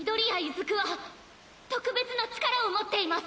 出久は特別な力を持っています！